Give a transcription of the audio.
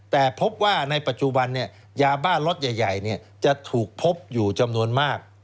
แต่พบว่าในปัจจุบันยาบ้าล็อตใหญ่จะถูกพบอยู่จำนวนมาก